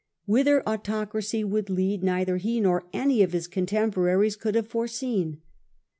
Whither autocracy would lead neither he nor any of his contemporaries could have foreseen.